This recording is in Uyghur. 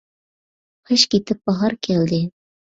قىش كېتىپ باھار كەلدى.